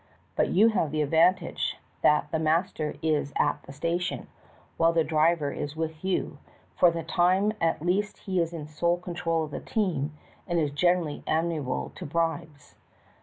But you have the advantage that the master is at the station, while the driver is with you ; for the time at least he is in sole control of the team, and is generall}^ amenable to bribes.